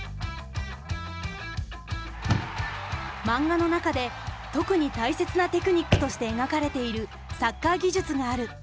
マンガの中で特に大切なテクニックとして描かれているサッカー技術がある。